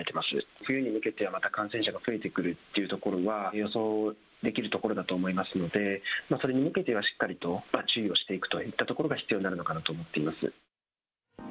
冬に向けてまた感染者が増えてくるっていうところは、予想できるところだと思いますので、それに向けてはしっかりと注意をしていくといったところが必要になるのかなと思っています。